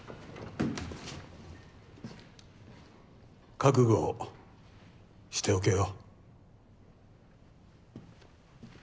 覚悟をしておけよ。